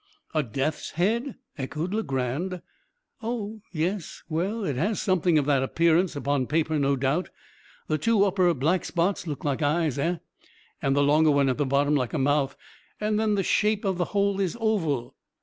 "A death's head!" echoed Legrand. "Oh yes well, it has something of that appearance upon paper, no doubt. The two upper black spots look like eyes, eh? and the longer one at the bottom like a mouth and then the shape of the whole is oval."